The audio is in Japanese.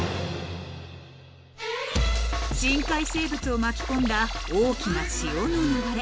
［深海生物を巻き込んだ大きな潮の流れ］